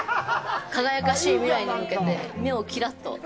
輝かしい未来に向けて目をきらっと。